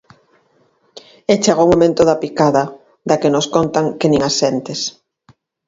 E chega o momento da picada, da que nos contan que nin a sentes.